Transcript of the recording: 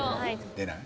出ない？